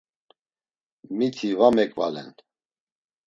Miti va meǩvalen.